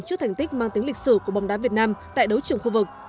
trước thành tích mang tính lịch sử của bóng đá việt nam tại đấu trường khu vực